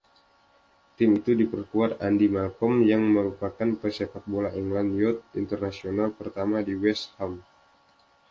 Tim itu diperkuat Andy Malcolm yang merupakan pesepakbola England Youth International pertama West Ham.